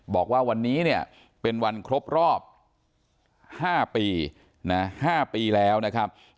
บอกว่าวันนี้เนี่ยเป็นวันครบรอบ๕ปี๕ปีแล้วนะครับ